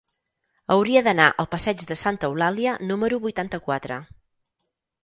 Hauria d'anar al passeig de Santa Eulàlia número vuitanta-quatre.